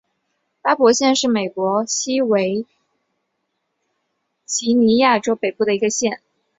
巴伯县是美国西维吉尼亚州北部的一个县。